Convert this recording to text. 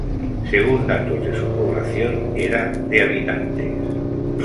Según datos de su población era de habitantes.